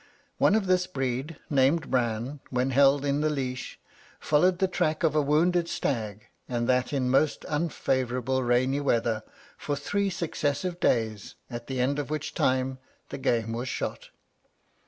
One of this breed, named Bran, when held in the leash, followed the track of a wounded stag, and that in most unfavourable rainy weather, for three successive days, at the end of which time the game was shot.